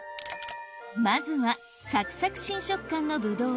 まずはサクサク新食感のブドウ